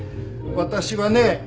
私はね